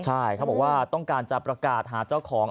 ใช่เขาบอกว่าต้องการจะประกาศหาเจ้าของ